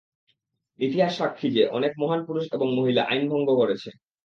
ইতিহাস সাক্ষী যে অনেক মহান পুরুষ এবং মহিলা আইন ভঙ্গ করেছে।